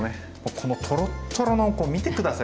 このとろっとろの見て下さい。